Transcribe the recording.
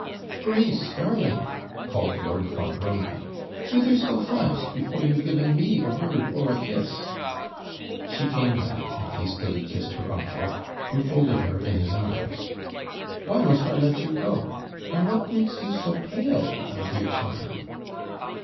'Grace! darling!' called Lord Clonbrony, 'whither so fast, before you've given me a word or a kiss?' She came back, and hastily kissed her uncle, who folded her in his arms. 'Why must I let you go? And what makes you so pale, my dear child?'